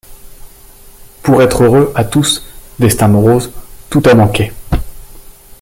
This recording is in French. Pour être heureux, à tous, — destin morose! — Tout a manqué.